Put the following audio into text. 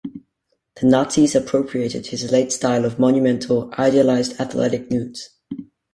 The Nazis appropriated his late style of monumental, idealized athletic nudes.